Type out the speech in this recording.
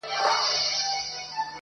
دغه اوږده شپه تر سهاره څنگه تېره كړمه ~